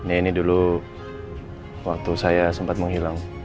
ini dulu waktu saya sempat menghilang